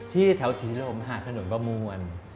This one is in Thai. ที่แถวศิษย์โรงมหาขนมประมวล